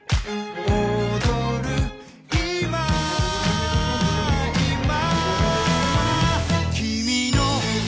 踊るいま